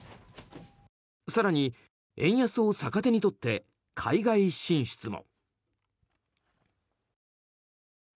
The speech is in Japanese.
更に、円安を逆手に取って海外進出も。